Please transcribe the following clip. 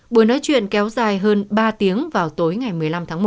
buổi nói chuyện kéo dài hơn ba tiếng vào tối ngày một mươi năm tháng một